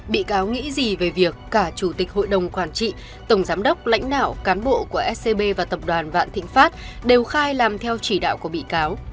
bị cáo nghĩ gì về việc cả chủ tịch hội đồng quản trị tổng giám đốc lãnh đạo cán bộ của scb và tập đoàn vạn thịnh pháp đều khai làm theo chỉ đạo của bị cáo